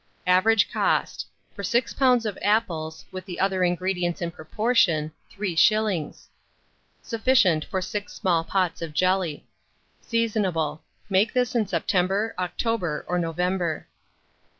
Average cost, for 6 lbs. of apples, with the other ingredients in proportion, 3s. Sufficient for 6 small pots of jelly. Seasonable. Make this in September, October, or November.